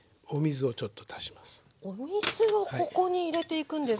お水をここに入れていくんですか。